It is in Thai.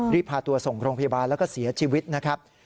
พาตัวส่งโรงพยาบาลแล้วก็เสียชีวิตนะครับ